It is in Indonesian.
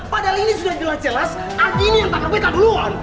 padahal ini sudah jelas jelas ardi ini yang panggil beta duluan